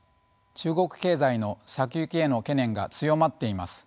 中国経済の先行きへの懸念が強まっています。